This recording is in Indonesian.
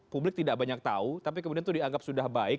publik tidak banyak tahu tapi kemudian itu dianggap sudah baik